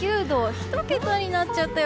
１桁になっちゃったよ。